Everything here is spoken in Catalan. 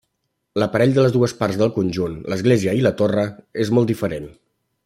L'aparell de les dues parts del conjunt, l'església i la torre, és molt diferent.